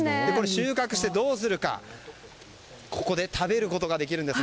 収穫してどうするかというとここで食べることができるんです。